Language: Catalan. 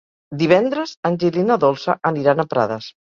Divendres en Gil i na Dolça aniran a Prades.